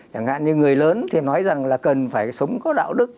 chẳng hạn như người lớn thì nói rằng là cần phải sống có đạo đức